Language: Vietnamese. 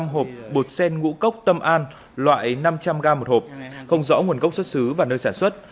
bốn trăm năm mươi năm hộp bột sen ngũ cốc tâm an loại năm trăm linh g một hộp không rõ nguồn gốc xuất xứ và nơi sản xuất